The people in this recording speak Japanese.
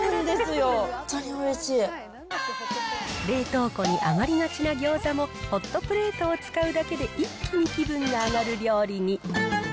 冷凍庫に余りがちなギョーザもホットプレートを使うだけで、一気に気分が上がる料理に。